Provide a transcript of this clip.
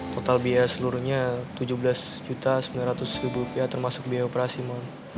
total biaya seluruhnya tujuh belas sembilan ratus rupiah termasuk biaya operasi mon